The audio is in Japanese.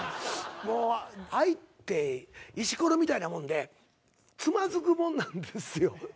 愛って石ころみたいなもんでつまずくもんなんですよ。